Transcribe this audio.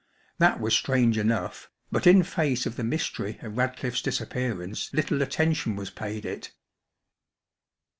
That was strange enough, but in face of the mystery of Radcliffe's disappearance little attention was paid it.